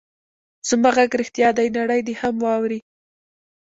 زما غږ رښتیا دی؛ نړۍ دې هم واوري.